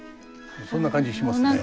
そんな感じしますね。